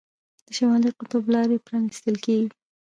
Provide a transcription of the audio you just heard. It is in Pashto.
د شمالي قطب لارې پرانیستل کیږي.